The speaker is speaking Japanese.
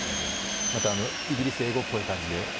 またイギリス英語っぽい感じで。